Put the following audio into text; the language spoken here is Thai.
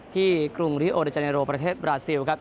ที่กรุงริโอเดอร์เจเนโรประเทศบราซิลครับ